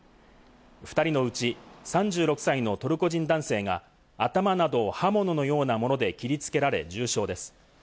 ２人のうち、３６歳のトルコ人男性が頭などを刃物のようなもので切り付けられ重傷です。